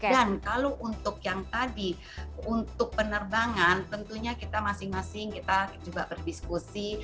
dan kalau untuk yang tadi untuk penerbangan tentunya kita masing masing kita juga berdiskusi